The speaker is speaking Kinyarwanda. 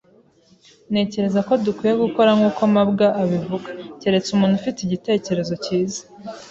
Ntekereza ko dukwiye gukora nkuko mabwa abivuga, keretse umuntu ufite igitekerezo cyiza.